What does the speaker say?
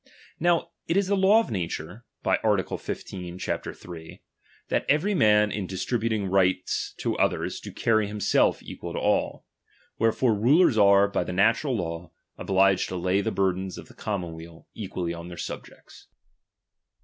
Now it is the law of nature, (by ^•"t. 15, chap. Ill), that every man in distributing 'igtt to others, do carry himself equal to all. '*tierefore rulers are, by the natural law, obliged tc> lay the burthens of the commonweal equally on ttieir subjects.